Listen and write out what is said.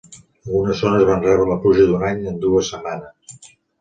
Algunes zones van rebre la pluja d'un any en dues setmanes.